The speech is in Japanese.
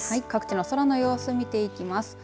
各地の空の様子を見ていきます。